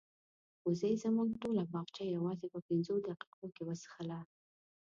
وزې زموږ ټوله باغچه یوازې په پنځو دقیقو کې وڅښله.